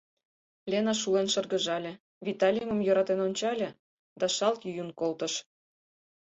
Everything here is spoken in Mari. Лена шулен шыргыжале, Виталийым йӧратен ончале да шалт йӱын колтыш.